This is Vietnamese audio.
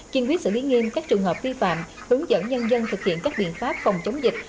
kiên quyết xử lý nghiêm các trường hợp vi phạm hướng dẫn nhân dân thực hiện các biện pháp phòng chống dịch